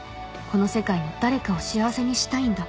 この世界の誰かを幸せにしたいんだ